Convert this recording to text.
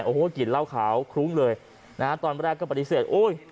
โอ้โหกลิ่นเหล้าขาวคลุ้งเลยนะฮะตอนแรกก็ปฏิเสธโอ้ย